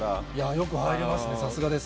よく入りますね、さすがです。